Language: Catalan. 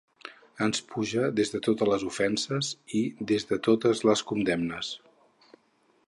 Ens puja des de totes les ofenses i des de totes les condemnes.